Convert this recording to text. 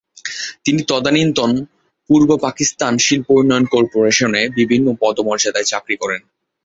তিনি তদানীন্তন পূর্ব পাকিস্তান শিল্পোন্নয়ন কর্পোরেশনে বিভিন্ন পদমর্যাদায় চাকরি করেন।